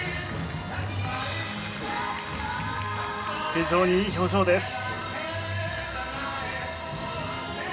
非常にいい表情です。